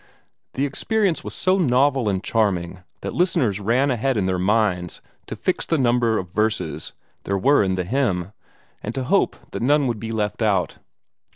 The experience was so novel and charming that listeners ran ahead in their minds to fix the number of verses there were in the hymn, and to hope that none would be left out.